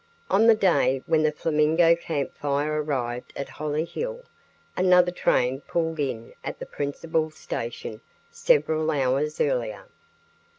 On the day when the Flamingo Camp Fire arrived at Hollyhill, another train pulled in at the principal station several hours earlier.